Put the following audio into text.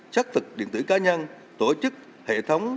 xác thực điện tử cá nhân tổ chức hệ thống